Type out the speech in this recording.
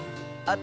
あ！